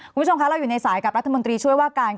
คือต้องเรียนกันว่า